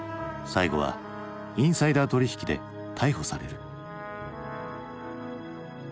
最後はインサイダー取引で逮捕される。